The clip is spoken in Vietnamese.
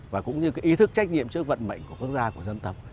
và cũng như cái ý thức trách nhiệm trước vận mệnh của quốc gia của dân tộc